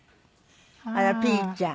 あらぴーちゃん。